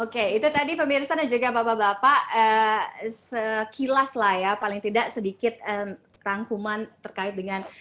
oke itu tadi pemirsa dan juga bapak bapak sekilas lah ya paling tidak sedikit rangkuman terkait dengan